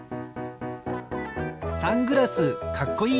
サングラスかっこいい！